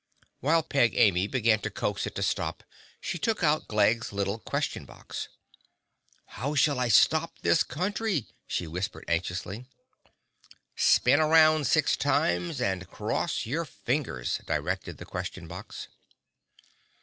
While Peg Amy began to coax it to stop, she took out Glegg's little Question Box. "How shall I stop this Country?" she whispered anxiously. "Spin around six times and cross your fingers," directed the Question Box.